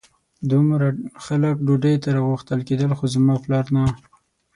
دومره خلک ډوډۍ ته راغوښتل کېدل خو زما پلار نه.